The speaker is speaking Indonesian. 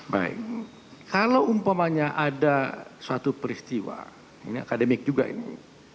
baik kalau umpamanya ada suatu peristiwa ini akademik juga ini